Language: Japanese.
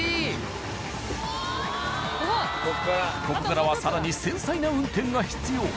ここからはさらに繊細な運転が必要